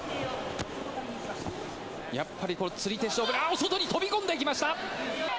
やっぱりこれ、つり手勝負だ、あー、外に飛び込んでいきました。